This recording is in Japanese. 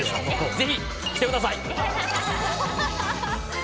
ぜひ来てください！